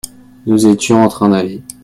nous étions en train d'aller.